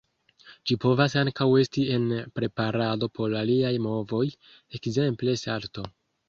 Ĝi povas ankaŭ esti en preparado por aliaj movoj, ekzemple salto.